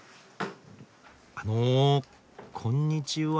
あのこんにちは。